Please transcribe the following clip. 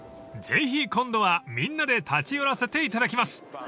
［ぜひ今度はみんなで立ち寄らせていただきます］